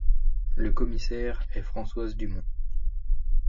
Le Commissaire est Françoise Dumont.